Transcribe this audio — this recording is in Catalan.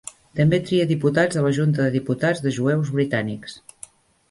També tria diputats a la Junta de Diputats de jueus britànics.